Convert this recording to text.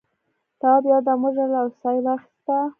تواب یو دم وژړل او سا یې واخیسته.